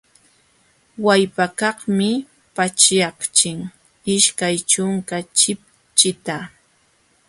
Wallpakaqmi paćhyaqchik ishkay ćhunka chipchita.